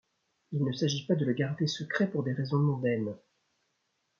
Il ne s'agit pas de le garder secret pour des raisons mondaines.